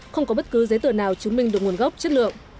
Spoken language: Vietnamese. không có bất cứ giấy tờ nào chứng minh được nguồn gốc chất lượng